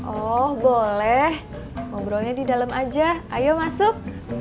oh boleh ngobrolnya di dalam aja ayo masuk